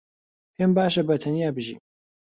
پێم باشە بەتەنیا بژیم.